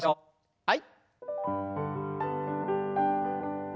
はい。